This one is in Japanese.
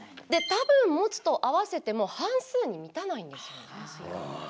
「たぶん持つ」と合わせても半数に満たないんですよね。